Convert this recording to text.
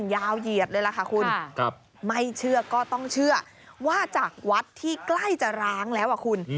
เหยียดเลยล่ะค่ะคุณไม่เชื่อก็ต้องเชื่อว่าจากวัดที่ใกล้จะร้างแล้วอ่ะคุณ